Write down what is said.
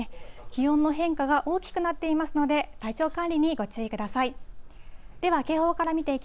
気温の変化が大きくなっていますので、体調管理にご注意ください。